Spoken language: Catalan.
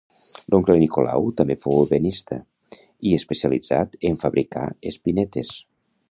L'oncle Nicolau també fou ebenista, i especialitzat en fabricà espinetes.